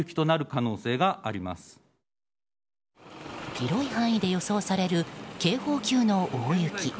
広い範囲で予想される警報級の大雪。